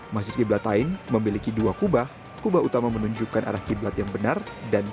masjid qiblatain memiliki dua kubah kubah utama menunjukkan arah qiblat yang benar dan